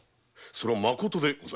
それはまことで？